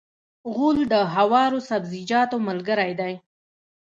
غول د هوارو سبزیجاتو ملګری دی.